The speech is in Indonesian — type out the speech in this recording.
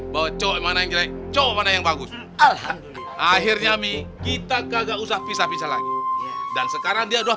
bocok mana yang coba yang bagus akhirnya mi kita kagak usah pisah pisah lagi dan sekarang dia doa